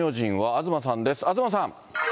東さん。